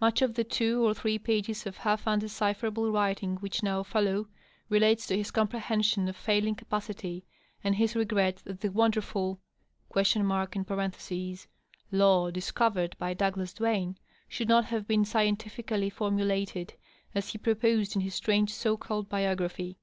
Much of the two or three pages of half undecipherable writing which now follow relates to his comprehension of fiuling capacity and his r^et that the wonderful (?) law discovered by Douglas I>uane should not have been scientifically formulated, as he f)roposed in his strange so called biography.